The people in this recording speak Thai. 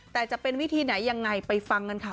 แต่จะเป็นวิธีไหนยังไงไปฟังกันค่ะ